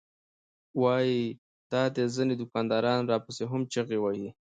وې ئې " د اډې ځنې دوکانداران راپسې هم چغې وهي